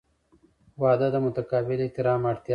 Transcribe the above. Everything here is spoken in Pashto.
• واده د متقابل احترام اړتیا لري.